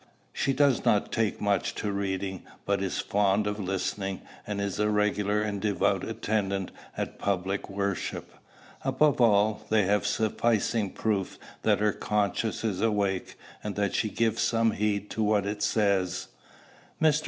She does not take much to reading, but she is fond of listening; and is a regular and devout attendant at public worship. Above all, they have sufficing proof that her conscience is awake, and that she gives some heed to what it says. Mr.